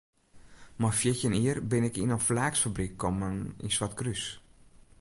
Mei fjirtjin jier bin ik yn in flaaksfabryk kommen yn Swartkrús.